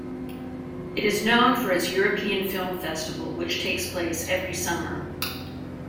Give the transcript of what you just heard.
It is known for its European film festival which takes place every summer.